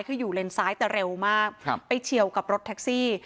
คืออยู่เลนซ้ายแต่เร็วมากไปเฉียวกับรถแท็กซี่